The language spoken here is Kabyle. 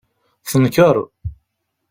Tenker.